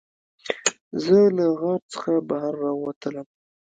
زه له غار څخه بهر راووتلم.